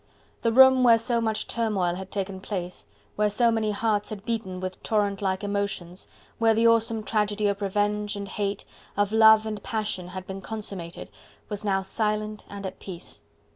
The room where so much turmoil had taken place, where so many hearts had beaten with torrent like emotions, where the awesome tragedy of revenge and hate, of love and passion had been consummated, was now silent and at peace.